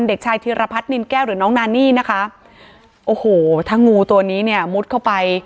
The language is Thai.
เด็กชายธีรพัฒนินแก้วหรือน้องนานี่นะคะโอ้โหถ้างูตัวนี้เนี่ยมุดเข้าไป